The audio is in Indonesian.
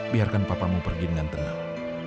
biarkan papamu pergi dengan tenang